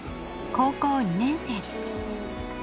高校２年生。